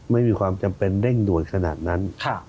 ไม่มีความจำเป็นเร่งด่วนขนาดนั้น